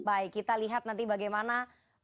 baik kita lihat nanti bagaimana